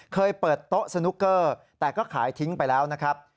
เคยเปิดโต๊ะสนุกเกอร์แต่ก็ขายทิ้งไปแล้วนะครับ